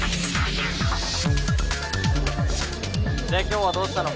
で今日はどうしたの？